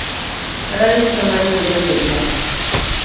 Sararin samaniya bai da iyaka.